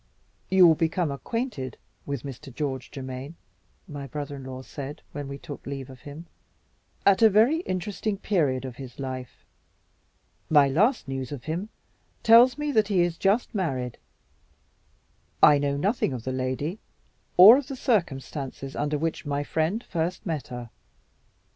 "You will become acquainted with Mr. George Germaine," my brother in law said, when we took leave of him, "at a very interesting period of his life. My last news of him tells me that he is just married. I know nothing of the lady, or of the circumstances under which my friend first met with her.